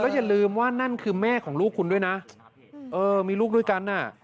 อย่าลืมว่านั่นคือแม่ของลูกคุณด้วยนะเออมีลูกด้วยกันอ่ะ